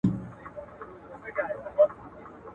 چې آس فکر نه کوي؟